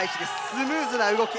スムーズな動き